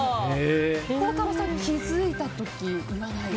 孝太郎さん、気づいた時言わない。